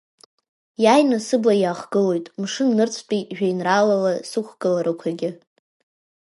Иааины сыбла иаахгылоит мшын-нырцәтәи жәеинраалала сықәгыларақәагьы.